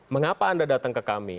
mengapa anda datang ke kami